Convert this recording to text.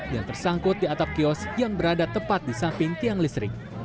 yang tersangkut di atap kios yang berada tepat di samping tiang listrik